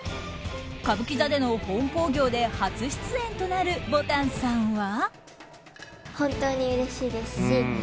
歌舞伎座での本興行で初出演となるぼたんさんは。